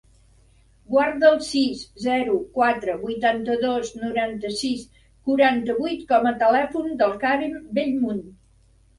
Guarda el sis, zero, quatre, vuitanta-dos, noranta-sis, quaranta-vuit com a telèfon del Karim Bellmunt.